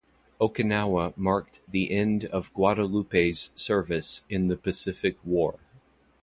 Okinawa marked the end of "Guadalupe's" service in the Pacific war.